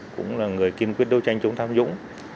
cũng là người kiên quyết đấu tranh chống tham nhũng